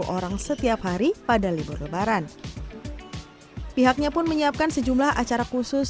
orang setiap hari pada libur lebaran pihaknya pun menyiapkan sejumlah acara khusus